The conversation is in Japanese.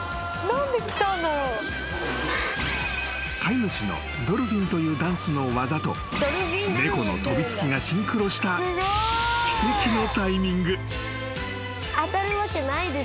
［飼い主のドルフィンというダンスの技と猫の飛び付きがシンクロした奇跡のタイミング］